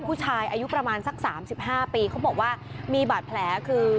ผู้ชายอายุประมาณสัก๓๕ปีเขาบอกว่ามีบาดแผลคือ